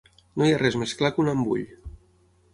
No hi ha res més clar que un embull.